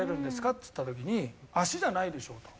っつった時に足じゃないでしょうと。